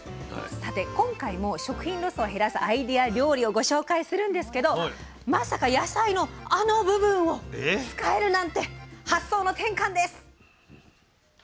さて今回も食品ロスを減らすアイデア料理をご紹介するんですけどまさか野菜のあの部分を使えるなんて発想の転換です。